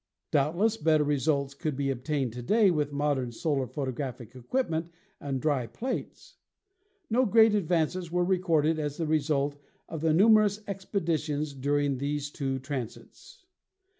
Doubt less better results could be obtained to day with modern solar photographic equipment and dry plates. No great advances were recorded as the result of the numerous ex peditions during these two transits.